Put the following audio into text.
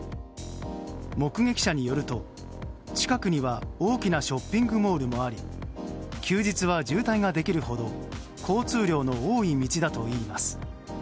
目撃者によると近くには大きなショッピングモールもあり休日は渋滞ができるほど交通量の多い道だといいます。